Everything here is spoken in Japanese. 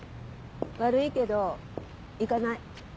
悪いけど行かない。